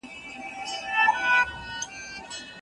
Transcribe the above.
د شافعي فقهاوو نظر په دې اړه څه دی؟